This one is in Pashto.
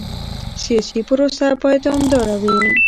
سیاسي پروسه باید دوامداره وي